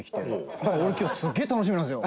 だから、俺、今日すげえ楽しみなんですよ。